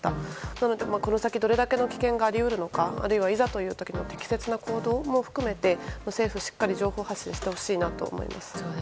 なので、この先どれだけの危険があり得るのかあるいは、いざという時の適切な行動も含めて政府はしっかり情報発信してほしいと思います。